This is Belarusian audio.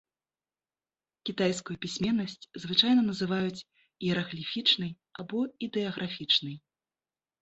Кітайскую пісьменнасць звычайна называюць іерагліфічнай або ідэаграфічнай.